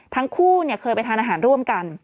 ทั้งคู่เคยไปทานอาหารร่วมกัน